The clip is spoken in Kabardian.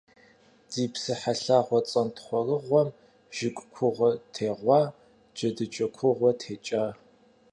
Ди псыхьэ лъагъуэ цӏэнтхъуэрыгъуэм жыг кугъуэ тегъуа, джэдыкӏэ кугъуэ текӏа.